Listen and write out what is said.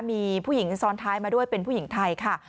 มีผู้หญิงซ้อนท้ายมาด้วยเป็นผู้หญิงไทยค่ะ